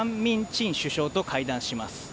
チン首相と会談します。